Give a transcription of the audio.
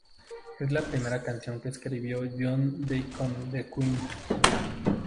Es la primera canción que escribió John Deacon en Queen.